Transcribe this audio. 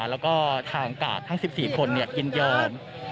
แล้วก็ทางกาททั้งสิบสี่คนกินยอม